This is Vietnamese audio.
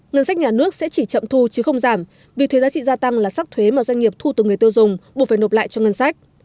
ngân sách nhà nước sẽ chỉ chậm thu chứ không giảm vì thuế giá trị gia tăng là sắc thuế mà doanh nghiệp thu từ người tiêu dùng buộc phải nộp lại cho ngân sách